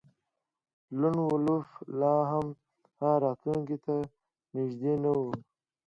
لون وولف لاهم راتلونکي ته نږدې نه و